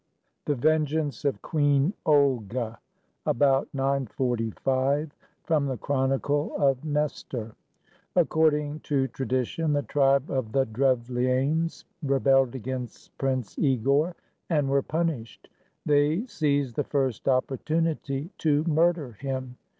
THE VENGEANCE OF QUEEN OLGA [About 945] FROM THE CHRONICLE OF NESTOR [According to tradition, the tribe of the Drevlianes rebelled against Prince Igor, and were punished. They seized the first opportunity to murder him.